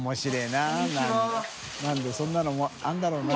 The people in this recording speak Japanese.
なんでそんなのあるんだろうな。